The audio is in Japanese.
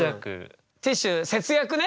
ティッシュ節約ね。